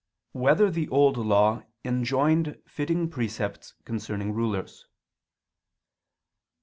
1] Whether the Old Law Enjoined Fitting Precepts Concerning Rulers?